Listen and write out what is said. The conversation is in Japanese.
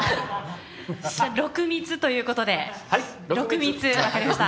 六蜜ということで分かりました。